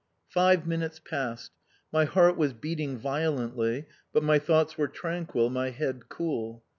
Five minutes passed. My heart was beating violently, but my thoughts were tranquil, my head cool.